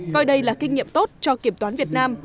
coi đây là kinh nghiệm tốt cho kiểm toán việt nam